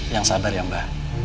yang sabar ya mba